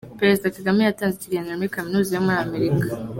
Perezida Kagame yatanze ikiganiro muri Kaminuza yo Muri Amerika